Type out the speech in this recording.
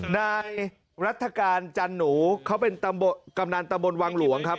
นายรัฐกาลจันหนูเขาเป็นกำนันตะบนวังหลวงครับ